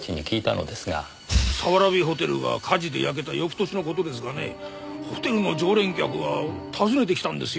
早蕨ホテルが火事で焼けた翌年の事ですがねホテルの常連客が訪ねてきたんですよ。